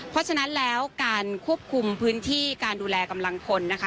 เพราะฉะนั้นแล้วการควบคุมพื้นที่การดูแลกำลังพลนะคะ